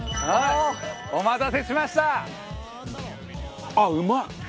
お待たせしました！